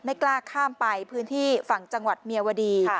ไม่กล้าข้ามไปพื้นที่ฝั่งจังหวัดเมียวดี